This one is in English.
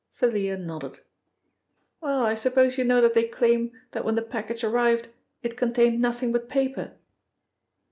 Thalia nodded. "Well, I suppose you know that they claim that when the package arrived it contained nothing but paper?"